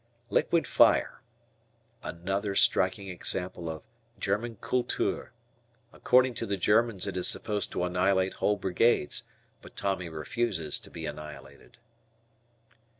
Liquid Fire. Another striking example of German "Kultur." According to the Germans it is supposed to annihilate whole brigades, but Tommy refuses to be annihilated.